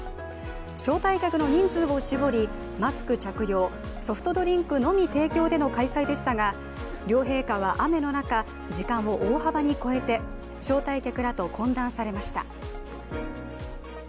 招待客の人数を絞り、マスク着用ソフトドリンクのみ提供での開催でしたが両陛下は雨の中、時間を大幅に超えて招待客らと懇談されました。